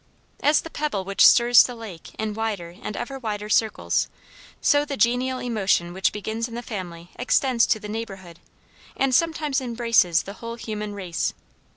As the pebble which stirs the lake in wider and ever wider circles, so the genial emotion which begins in the family extends to the neighborhood, and sometimes embraces the whole human race.